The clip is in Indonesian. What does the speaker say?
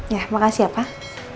ya makasih ya pak